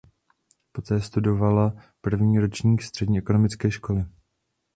Poté studovala první ročník střední ekonomické školy.